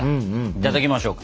いただきましょう。